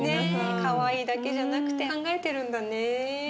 かわいいだけじゃなくて考えてるんだね。